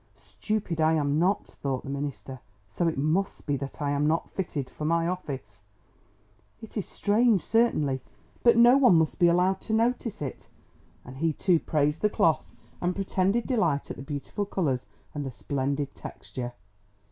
"Stupid I am not!" thought the minister, "so it must be that I am not fitted for my office. It is strange certainly, but no one must be allowed to notice it." And he, too, praised the cloth and pretended delight at the beautiful colours and the splendid texture.